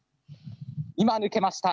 今抜けました。